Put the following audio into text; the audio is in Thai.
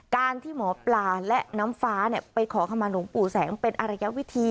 การที่หมอปลาและน้ำฟ้าไปขอขมาหลวงปู่แสงเป็นอารยวิธี